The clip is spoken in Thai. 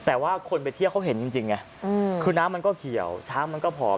แต่ว่าคนไปเที่ยวเขาเห็นจริงไงคือน้ำมันก็เขียวช้างมันก็ผอม